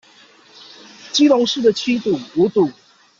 基隆市的七堵、五堵